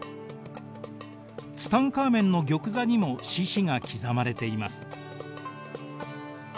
ツタンカーメンの玉座にも獅子が刻まれています。